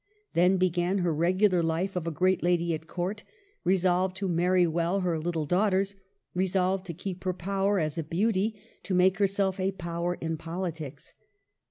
Then began her regular life of a great lady at Court, resolved to marry well her little daughters, resolved to keep her power as a beauty, to make herself a power in politics.